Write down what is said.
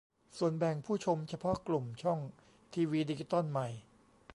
ส่วนแบ่งผู้ชมเฉพาะกลุ่มช่องทีวีดิจิตอลใหม่